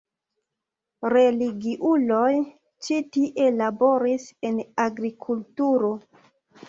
Religiuloj ĉi tie laboris en agrikulturo.